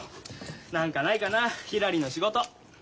何かないかなひらりの仕事。